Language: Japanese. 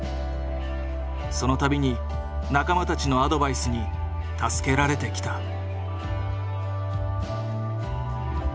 その度に仲間たちのアドバイスに助けられてきた。